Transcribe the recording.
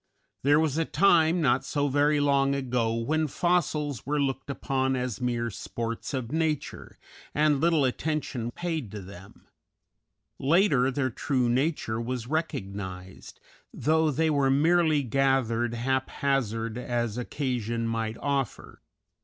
There was a time, not so very long ago, when fossils were looked upon as mere sports of Nature, and little attention paid to them; later their true nature was recognized, though they were merely gathered haphazard as occasion might offer.